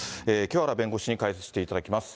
清原弁護士に解説していただきます。